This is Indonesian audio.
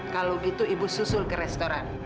kalau gitu ibu susul ke restoran